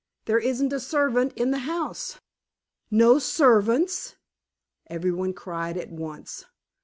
There isn't a servant in the house!" "No servants!" everybody cried at once.